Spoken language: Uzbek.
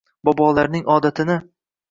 Bobolarning odatini